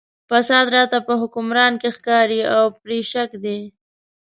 فساد راته په حکمران کې ښکاري او پرې شک دی.